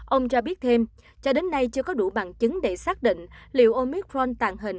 ông cho biết thêm cho đến nay chưa có đủ bằng chứng để xác định liệu omicron tàn hình